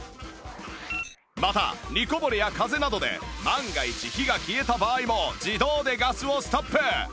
また煮こぼれや風などで万が一火が消えた場合も自動でガスをストップ